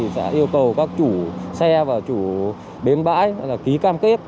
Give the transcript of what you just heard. sẽ yêu cầu các chủ xe và chủ bến bãi ký cam kết